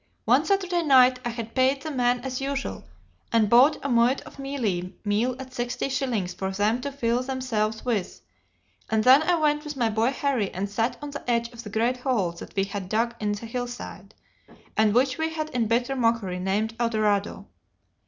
One Saturday night I had paid the men as usual, and bought a muid of mealie meal at sixty shillings for them to fill themselves with, and then I went with my boy Harry and sat on the edge of the great hole that we had dug in the hill side, and which we had in bitter mockery named Eldorado.